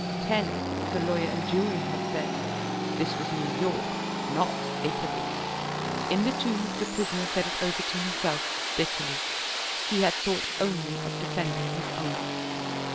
Ten, the lawyer and jury had said: this was New York, not Italy. In the Tombs the prisoner said it over to himself, bitterly. He had thought only of defending his own.